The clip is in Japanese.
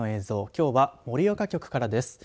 きょうは盛岡局からです。